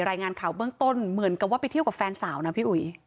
รายงานข่าวเบื้องต้นเหมือนกับว่าไปเที่ยวกับแฟนสาวนะพี่อุ๋ย